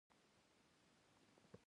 په دغه سپر باندې باید دولس منه بتکۍ راکړي.